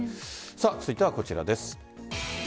続いては、こちらです。